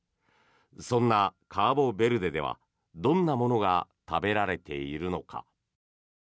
そんなカボベルデではどんなものが食べられているのか。